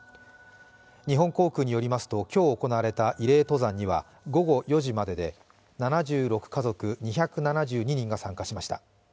日本航空によりますと今日行われた慰霊登山には午後４時までで７６家族２７２人が参加しました。